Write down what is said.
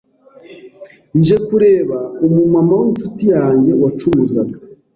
nje kureba umumama w’inshuti yanjye wacuruzaga